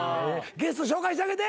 ゲスト紹介してあげて。